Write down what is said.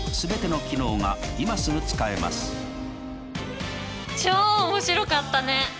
これで超面白かったね。